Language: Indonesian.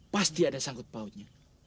pasti ada sangkut pautnya